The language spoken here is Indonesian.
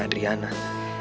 kalau dia bener